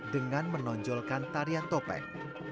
dengan menonjolkan tarian topeng